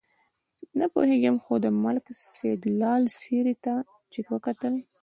نه پوهېږم خو د ملک سیدلال څېرې ته چې وکتل.